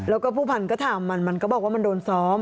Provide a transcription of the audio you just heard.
แล้วก็ผู้พันก็ถามมันมันก็บอกว่ามันโดนซ้อม